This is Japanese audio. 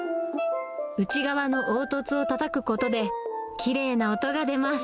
内側の凹凸をたたくことで、きれいな音が出ます。